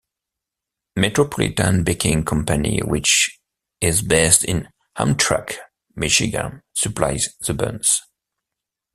Metropolitan Baking Company which is based in Hamtramck, Michigan, supplies the buns.